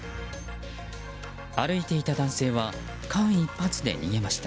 歩いていた男性は間一髪で逃げました。